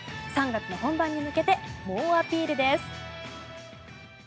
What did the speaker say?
３月の本番に向けて猛アピールです。